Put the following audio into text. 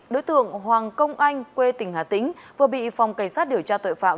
đối tượng hoàng công anh quê tỉnh hà tĩnh vừa bị phòng cảnh sát điều tra tội phạm